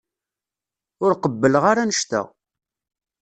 Ur qebbleɣ ara annect-a.